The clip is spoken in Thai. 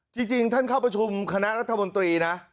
จริงท่านเข้าประชุมคณะรัฐมนตรีนะ